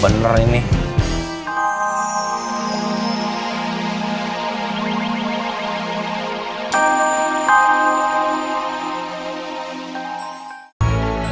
jangan lupa like terus saya